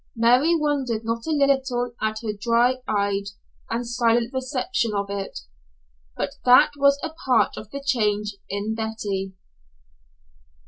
Mary wondered not a little at her dry eyed and silent reception of it, but that was a part of the change in Betty.